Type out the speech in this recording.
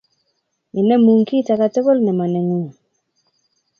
Inemu kit age tugul ne manengung